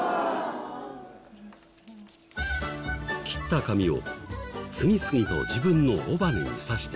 切った紙を次々と自分の尾羽に挿していく。